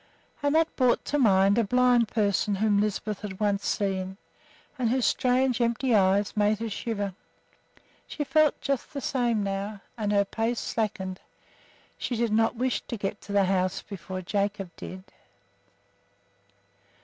And that brought to mind a blind person whom Lisbeth had once seen and whose strange, empty eyes made her shiver. She felt just the same now, and her pace slackened. She did not wish to get to the house before Jacob did.